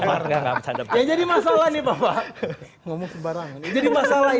masalah ini bapak jadi masalah ini adalah ketika pak jokowi ngomong jujur dia nggak akan netral ini